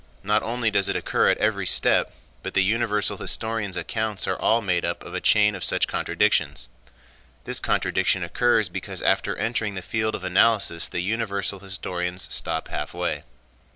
Not only does it occur at every step, but the universal historians' accounts are all made up of a chain of such contradictions. This contradiction occurs because after entering the field of analysis the universal historians stop halfway.